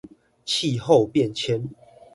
氣候變遷